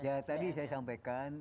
ya tadi saya sampaikan